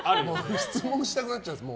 質問したくなっちゃうんです。